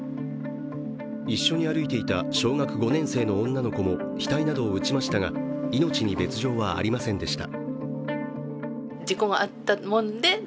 一緒に歩いていた小学５年生の女の子も額などを打ちましたが命に別状はありませんでした。